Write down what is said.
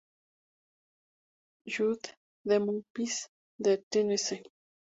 Jude en Memphis, Tennessee.